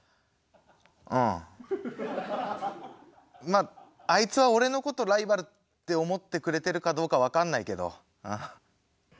まああいつは俺のことライバルって思ってくれてるかどうか分かんないけど。